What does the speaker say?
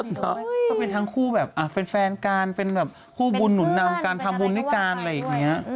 ก็เป็นทั้งคู่แบบแฟนกันเป็นแบบคู่บุญหนุนนำการทำบุญด้วยกันอะไรอย่างนี้